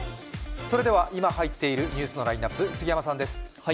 それでは今入っているニュースのラインナップ、杉山さんです。